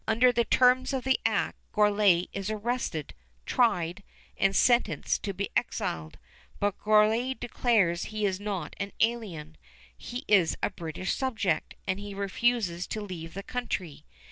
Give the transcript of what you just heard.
Under the terms of the act Gourlay is arrested, tried, and sentenced to be exiled, but Gourlay declares he is not an alien. He is a British subject, and he refuses to leave the country.